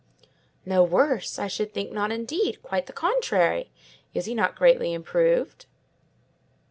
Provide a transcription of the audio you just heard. "No worse! I should think not indeed—quite the contrary! Is he not greatly improved?"